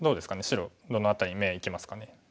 白どの辺りに目がいきますかね。